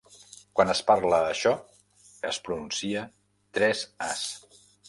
Quan es parla això es pronuncia "tres-as"'.